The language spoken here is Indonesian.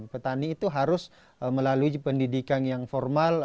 petani itu harus melalui pendidikan yang formal